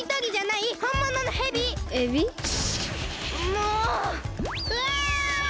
もううわ！